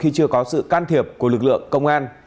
khi chưa có sự can thiệp của lực lượng công an